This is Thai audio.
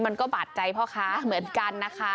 มันก็บาดใจพ่อค้าเหมือนกันนะคะ